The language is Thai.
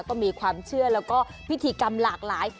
ก็มีความเชื่อแล้วก็พิธีกรรมหลากหลาย